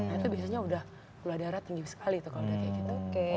itu biasanya udah gula darah tinggi sekali tuh kalau udah kayak gitu